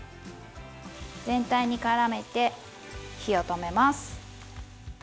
全体に絡めて火を止めます。